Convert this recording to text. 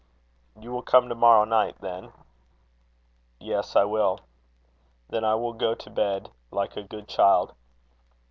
"You will come to morrow night, then?" "Yes, I will." "Then I will go to bed like a good child."